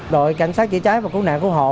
đội cảnh sát chỉ trái và cứu nạn cứu hộ